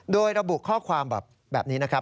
โดยระบุข้อความแบบนี้นะครับ